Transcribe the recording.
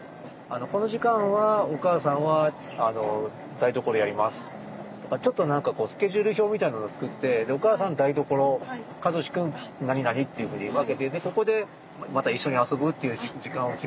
この時間はお母さんは台所やりますとかちょっと何かこうスケジュール表みたいなのを作ってお母さんは台所和志くん何々っていうふうに分けてでここでまた一緒に遊ぶっていう時間を決めて。